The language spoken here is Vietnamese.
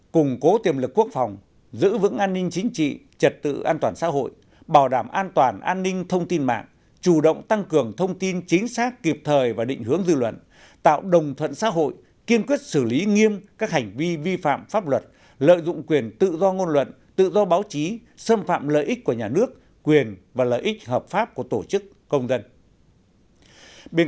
cùng cố tiềm lực quốc phòng giữ vững an ninh chính trị trật tự an toàn xã hội bảo đảm an toàn an ninh thông tin mạng chủ động tăng cường thông tin chính xác kịp thời và định hướng dư luận tạo đồng thuận xã hội kiên quyết xử lý nghiêm các hành vi vi phạm pháp luật lợi dụng quyền tự do ngôn luận tự do báo chí xâm phạm lợi ích của nhà nước quyền và lợi ích hợp pháp của tổ chức công dân